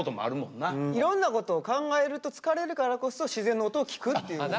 いろんなことを考えると疲れるからこそ自然の音を聞くっていう。